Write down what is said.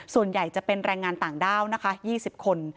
ส่วนใหญ่จะเป็นแรงงานต่างด้าวนะคะ๒๐คน